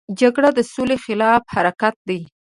جګړه د سولې خلاف حرکت دی